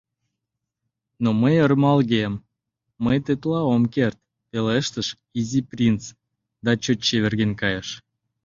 — Но мый ӧрмалгем… мый тетла ом керт… — пелештыш Изи принц да чот чеверген кайыш.